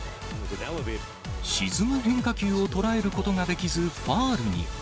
沈む変化球を捉えることができず、ファウルに。